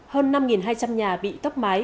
hơn năm hai trăm linh nhà bị tóc mái